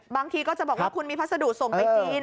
บางทีก็จะบอกว่าคุณมีพัสดุส่งไปจีน